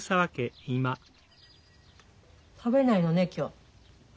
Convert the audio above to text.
食べないのね今日。